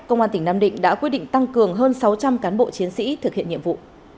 công an tỉnh nam định đã quyết định tăng cường hơn sáu trăm linh cán bộ chiến sĩ thực hiện nhiệm vụ